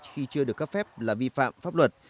khi chưa được cấp phép là vi phạm pháp luật